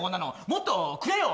もっとくれよ